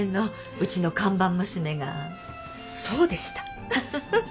うちの看板娘がそうでした